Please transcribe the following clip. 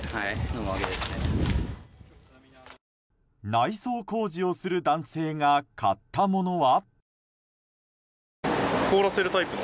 内装工事をする男性が買ったものは。